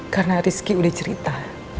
karena rizky udah cerita